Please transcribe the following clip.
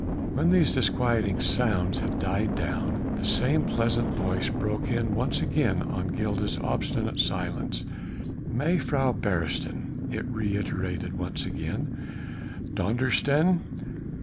When these disquieting sounds had died down the same pleasant voice broke in once again on Gilda's obstinate silence. "Mejuffrouw Beresteyn!" it reiterated once again. "Dondersteen!